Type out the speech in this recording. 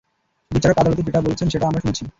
বিচারক আদালতে যেটা বলেছেন সেটা আমরা শুনেছি।